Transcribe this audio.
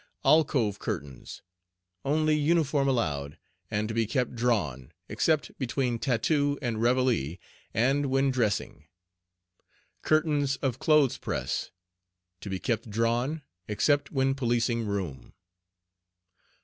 ALCOVE CURTAINS Only uniform allowed, and to be kept drawn, except between "Tattoo" and "Reveille" and when dressing. CURTAINS OF CLOTHES PRESS To be kept drawn, except when policing room.